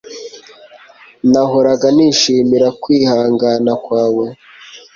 Nahoraga nishimira kwihangana kwawe